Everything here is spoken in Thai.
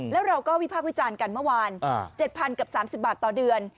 แล้วเราก็วิภาควิจารณ์กันเมื่อวานอ่าเจ็ดพันกับสามสิบบาทต่อเดือน